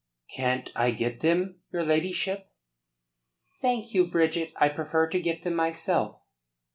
"Can't I get them, your ladyship?" "Thank you, Bridget. I prefer to get them, myself."